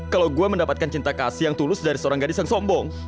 kalau gue mendapatkan cinta kasih yang tulus dari seorang gadis yang sombong